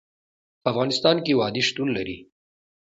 په افغانستان کې وادي شتون لري.